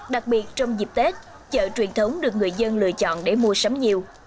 đặc biệt trong dịp tết chợ truyền thống được người dân lựa chọn để mua sắm nhiều